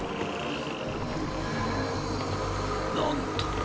なんと。